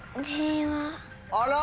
あら？